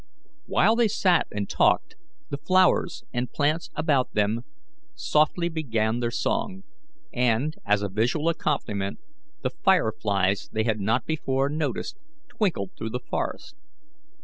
While they sat and talked, the flowers and plants about them softly began their song, and, as a visual accompaniment, the fire flies they had not before noticed twinkled through the forest.